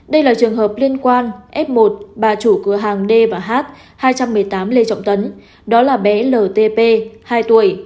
đây là trường hợp liên quan f một bà chủ cửa hàng d và h hai trăm một mươi tám lê trọng tấn đó là bé lt hai tuổi